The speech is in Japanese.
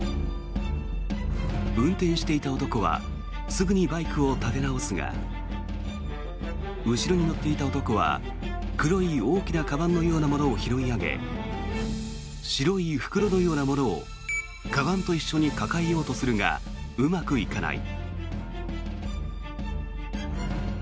運転していた男はすぐにバイクを立て直すが後ろに乗っていた男は黒い大きなかばんのようなものを拾い上げ白い袋のようなものをかばんと一緒に抱えようとするがうまくいかない。